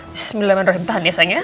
bismillahirrahmanirrahim tahan ya sayang ya